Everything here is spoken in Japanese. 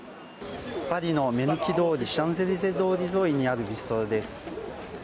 パリの目抜き通り、シャンゼリゼ通り沿いにあるビストロです。